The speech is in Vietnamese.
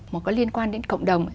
mà có liên quan đến cộng đồng